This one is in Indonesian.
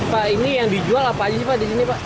pak ini yang dijual apa aja sih pak di sini pak